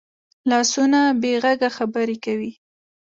لاسونه بې غږه خبرې کوي